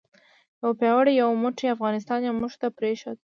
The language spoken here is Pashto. یو پیاوړی یو موټی افغانستان یې موږ ته پرېښود.